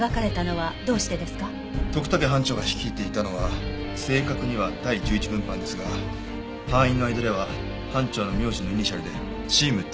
徳武班長が率いていたのは正確には第１１分班ですが班員の間では班長の名字のイニシャルでチームＴと呼んでいました。